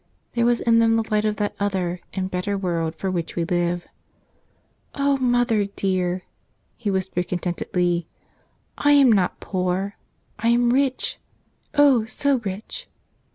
There was in them the light of that other and better world for which we live. "O mother dear," he whispered contentedly, "I am not poor. I am rich — O so rich!